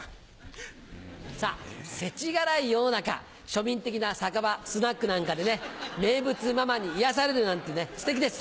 さぁ世知辛い世の中庶民的な酒場スナックなんかでね名物ママに癒やされるなんてねステキです。